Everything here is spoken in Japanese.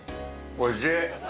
おいしい！